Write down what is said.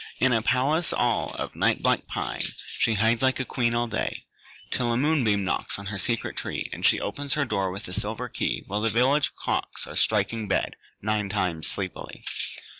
In a palace all of the night black pine She hides like a queen all day, Till a moonbeam knocks On her secret tree, And she opens her door With a silver key, While the village clocks Are striking bed Nine times sleepily.